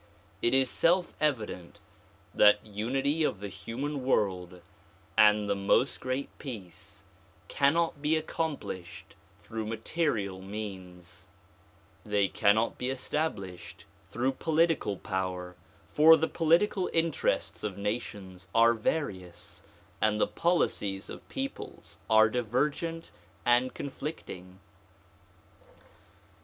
It is self evident that unity of the human world and the "Most Great Peace" cannot be accomplished through material means. They cannot be established through polit 10 THE PROMULGATION OF UNIVERSAL PEACE ical power, for the political interests of nations are various and the policies of peoples are divergent and conflicting.